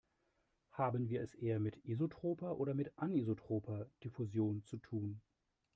Haben wir es eher mit isotroper oder mit anisotroper Diffusion zu tun?